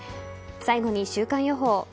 最後に週間予報。